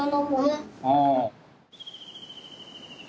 ああ。